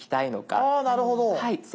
あなるほど。